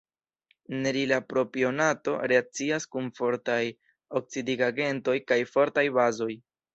Nerila propionato reakcias kun fortaj oksidigagentoj kaj fortaj bazoj.